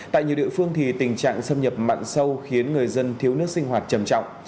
tại nhiều địa phương thì tình trạng xâm nhập mặn sâu khiến người dân thiếu nước sinh hoạt trầm trọng